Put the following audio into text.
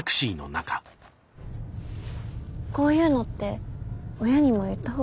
こういうのって親にも言った方がいいのかな。